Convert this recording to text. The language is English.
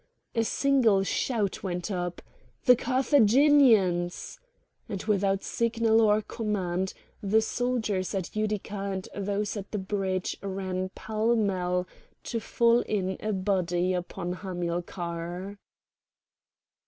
A single shout went up: "The Carthaginians!" and without signal or command the soldiers at Utica and those at the bridge ran pell mell to fall in a body upon Hamilcar.